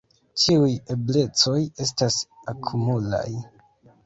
Ĉiuj eblecoj estas akumulaj.